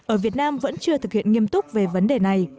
ở việt nam vẫn chưa thực hiện nghiêm túc về vấn đề này